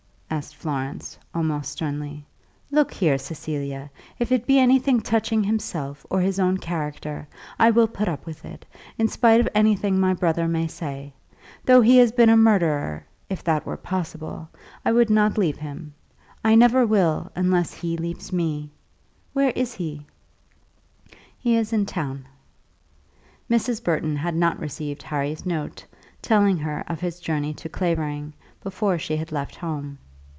asked Florence, almost sternly. "Look here, Cecilia; if it be anything touching himself or his own character, I will put up with it, in spite of anything my brother may say. Though he had been a murderer, if that were possible, I would not leave him. I will never leave him unless he leaves me. Where is he now, at this moment?" "He is in town." Mrs. Burton had not received Harry's note, telling her of his journey to Clavering, before she had left home.